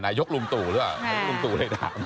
นายกลุมตู่หรือว่ะ